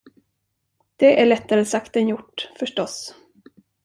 Det är lättare sagt än gjort, förstås.